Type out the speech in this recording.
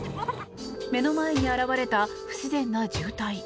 目の前に現れた不自然な渋滞。